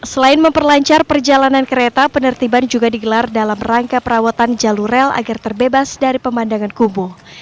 selain memperlancar perjalanan kereta penertiban juga digelar dalam rangka perawatan jalur rel agar terbebas dari pemandangan kubu